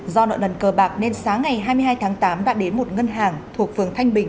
do nợ nần cờ bạc nên sáng ngày hai mươi hai tháng tám đã đến một ngân hàng thuộc phường thanh bình